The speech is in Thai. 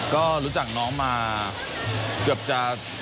ก็รู้จักน้องมาเกือบจะ